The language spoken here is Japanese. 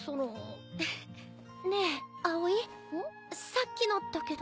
さっきのだけど。